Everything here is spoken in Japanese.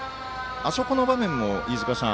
あそこの場面も飯塚さん